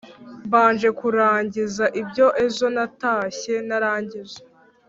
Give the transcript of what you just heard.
Mbanje kurangiza ibyo ejo natashye ntarangije